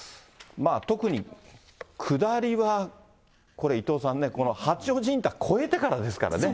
特に下りはこれ、伊藤さんね、この八王子インター越えてからですからね。